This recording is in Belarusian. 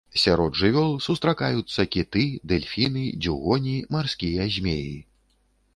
Сярод жывёл сустракаюцца кіты, дэльфіны, дзюгоні, марскія змеі.